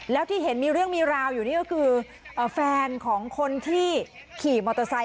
แล้วที่เห็นมีเรื่องมีราวอยู่ก็คือแฟนของคนที่ขี่อาหารมอเตอร์ไซค์คือก็ขี่มาด้วยกันกับแฟนเขา